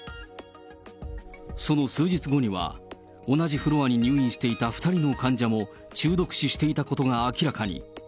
その数日後には、同じフロアに入院していた２人の患者も、中毒死していたことが明らかに。